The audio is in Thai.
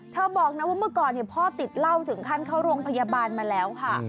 บอกนะว่าเมื่อก่อนพ่อติดเหล้าถึงขั้นเข้าโรงพยาบาลมาแล้วค่ะ